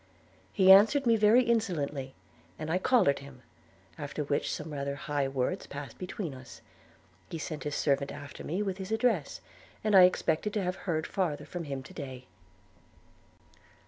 He answered me very insolently, and I collared him; after which some rather high words passed between us. He sent his servant after me with his address; and I expected to have heard farther from him to day.'